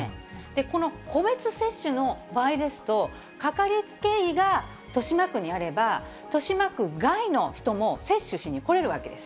この個別接種の場合ですと、掛かりつけ医が豊島区にあれば、豊島区外の人も接種しに来れるわけです。